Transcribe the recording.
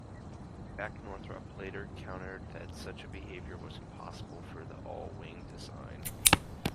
Jack Northrop later countered that such a behavior was impossible for the all-wing design.